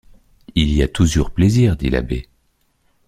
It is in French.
Il y ha tousiours plaisir! dit l’abbé.